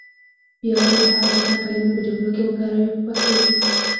بیا دې هغه جمع کلمې په جملو کې وکاروي په پښتو ژبه.